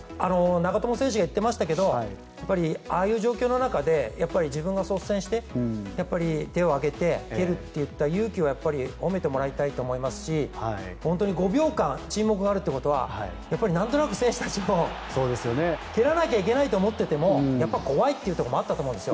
長友選手が言ってましたがああいう状況の中で自分が率先して手を挙げて蹴るって言った勇気は褒めてもらいたいと思いますし５秒間沈黙があるということはやっぱり、なんとなく選手たちも蹴らないといけないと思っていても怖いというところもあったと思うんです。